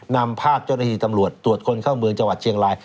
นำภาพเจ้าหน้าที่ตำรวจตรวจคนเข้าเมืองจังหวัดเชียงราย